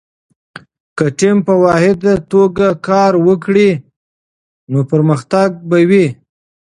که ټیم په واحده توګه کار وکړي، نو پرمختګ به وي.